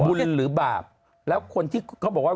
หรือบาปแล้วคนที่เขาบอกว่า